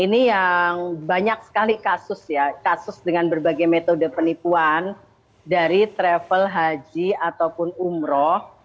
ini yang banyak sekali kasus ya kasus dengan berbagai metode penipuan dari travel haji ataupun umroh